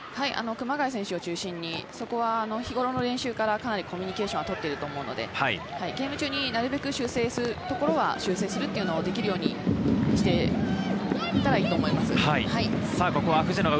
熊谷選手を中心に日頃の練習からかなりコミュニケーションを取ってると思うので、ゲーム中に修正することもできるようにしておけたらいいと思います。